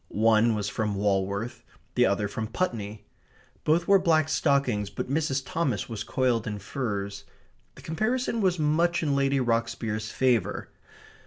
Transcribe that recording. One was from Walworth; the other from Putney. Both wore black stockings, but Mrs. Thomas was coiled in furs. The comparison was much in Lady Rocksbier's favour.